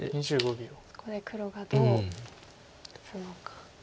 そこで黒がどう打つのか。